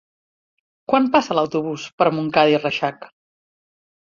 Quan passa l'autobús per Montcada i Reixac?